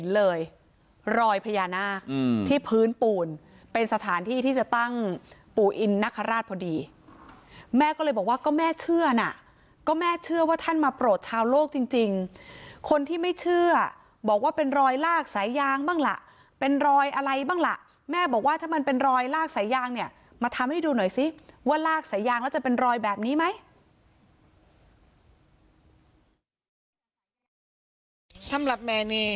เลยรอยพญานาคที่พื้นปูนเป็นสถานที่ที่จะตั้งปู่อินนคราชพอดีแม่ก็เลยบอกว่าก็แม่เชื่อนะก็แม่เชื่อว่าท่านมาโปรดชาวโลกจริงคนที่ไม่เชื่อบอกว่าเป็นรอยลากสายยางบ้างล่ะเป็นรอยอะไรบ้างล่ะแม่บอกว่าถ้ามันเป็นรอยลากสายยางเนี่ยมาทำให้ดูหน่อยซิว่าลากสายยางแล้วจะเป็นรอยแบบนี้ไหม